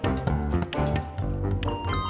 terima kasih banyak